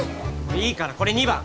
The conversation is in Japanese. いいからこれ２番！